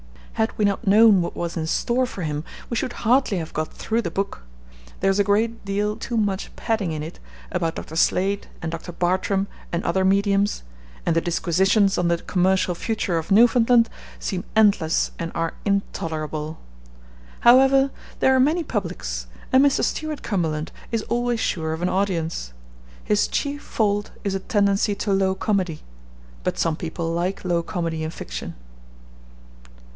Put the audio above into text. Had we not known what was in store for him we should hardly have got through the book. There is a great deal too much padding in it about Dr. Slade and Dr. Bartram and other mediums, and the disquisitions on the commercial future of Newfoundland seem endless and are intolerable. However, there are many publics, and Mr. Stuart Cumberland is always sure of an audience. His chief fault is a tendency to low comedy; but some people like low comedy in fiction.